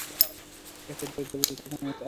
একটা দরিদ্র পরিবারে তার জন্ম হয়েছে।